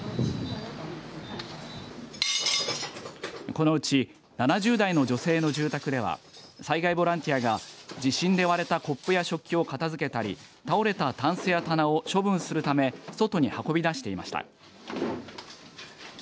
このうち７０代の女性の住宅では災害ボランティアが地震で割れたコップや食器を片付けたり倒れたたんすや棚を処分するため外に運び出していました。